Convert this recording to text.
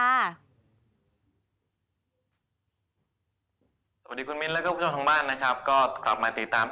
สวัสดีคุณมิ้นแล้วก็คุณผู้ชมทางบ้านนะครับก็กลับมาติดตาม